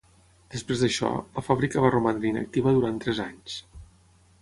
Després d'això, la fàbrica va romandre inactiva durant tres anys.